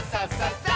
さあ！